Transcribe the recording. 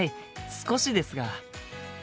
少しですが。